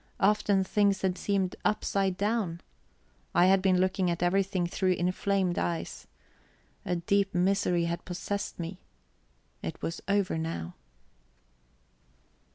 Often things had seemed upside down. I had been looking at everything through inflamed eyes. A deep misery had possessed me. It was over now.